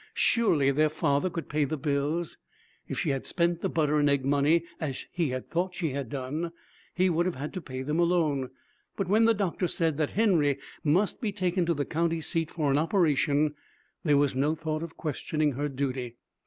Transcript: Surely their father could pay the bills. If she had spent the butter and egg money, as he had thought she had done, he would have had to pay them alone. But when the doctor said that Henry must be taken to the county seat for an operation, there was no thought of questioning her duty.